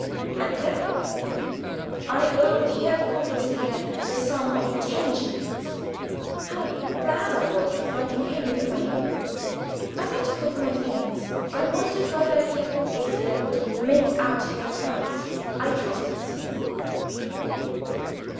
At that rate then, I owed Herr Courvoisier the sum of ten shillings. How glad I was to find it came within my means. As I took off my things, I wondered when Herr Courvoisier would "make out his accounts." I trusted soon.